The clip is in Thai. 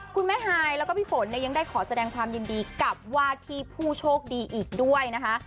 คุณแม่ฮายแล้วก็พี่ฝนเนี่ยยังได้ขอแสดงความยินดีกับว่าที่ผู้โชคดีอีกด้วยนะคะ